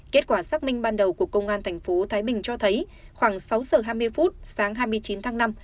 kết quả xác minh ban đầu của công an tp thái bình cho thấy khoảng sáu giờ hai mươi phút sáng hai mươi chín tháng năm